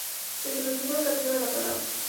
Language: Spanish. Dentro del libro "Camino de la palabra".